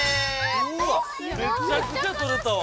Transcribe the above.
うわめちゃくちゃとれたわ。